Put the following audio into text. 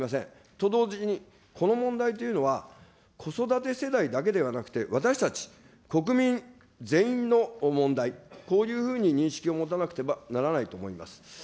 と同時に、この問題というのは、子育て世代だけではなくて、私たち国民全員の問題、こういうふうに認識を持たなくてはならないと思います。